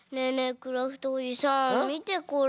クラフトおじさんみてこれ。